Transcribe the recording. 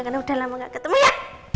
karena udah lama gak ketemu ya